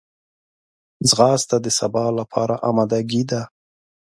ځغاسته د سبا لپاره آمادګي ده